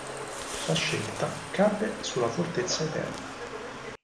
La scelta cadde sulla Fortezza Eterna.